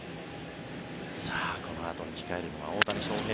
このあとに控えるのが大谷翔平。